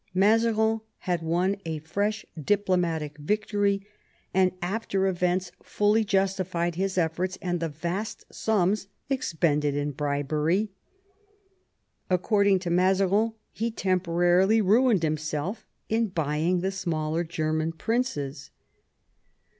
Mazarin had won a fresh diplo matic victory, and after events fully justified his efforts and the vast sums expended in bribery. According to Mazarin he temporarily ruined himself in buying the smaller German princes.